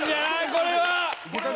これは！